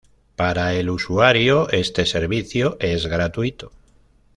Para el usuario este servicio es gratuito.